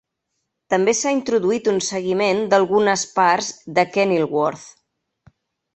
També s'ha introduït un seguiment d' algunes parts de Kenilworth.